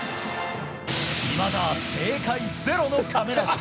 いまだ正解ゼロの亀梨か。